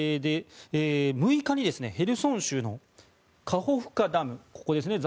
６日にヘルソン州のカホフカダムここですね。